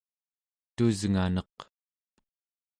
tusnganeq